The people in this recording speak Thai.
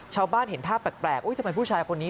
ชาวบ้านเห็นท่าแปลกทำไมผู้ชายคนนี้